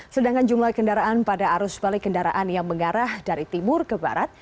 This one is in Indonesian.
sedangkan jumlah kendaraan pada arus balik kendaraan yang mengarah dari timur ke barat